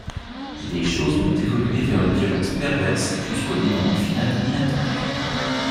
Les choses vont évoluer vers une violence perverse, jusqu'au dénouement final inattendu.